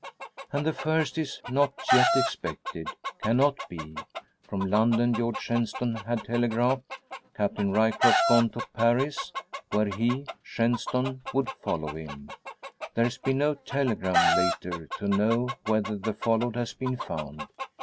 And the first is not yet expected cannot be. From London George Shenstone had telegraphed: "Captain Ryecroft gone to Paris, where he (Shenstone) would follow him." There has been no telegram later to know whether the followed has been found.